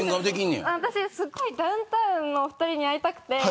すごいダウンタウンのお二人に会いたくて。